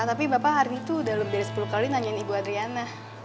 tapi bapak hari ini tuh udah lebih dari sepuluh kali nanyain ibu adriana